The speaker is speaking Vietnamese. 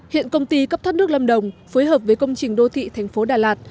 hiện công ty cấp thoát nước lâm đồng phối hợp với công trình đô thị thành phố đà lạt